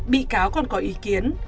bị cáo còn có ý kiến